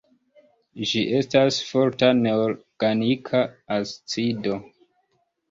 Ĝi estas forta neorganika acido.